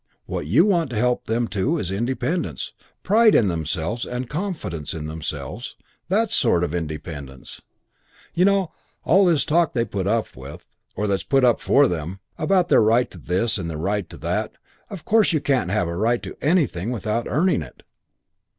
What you want to help them to is independence, pride in themselves and confidence in themselves that sort of independence. You know, all this talk that they put up, or that's put up for them, about their right to this and their right to that of course you can't have a right to anything without earning it.